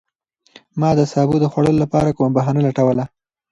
ما د سابو د خوړلو لپاره کومه بهانه لټوله.